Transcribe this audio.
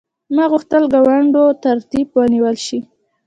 ما غوښتل غونډو ترتیب ونیول شي.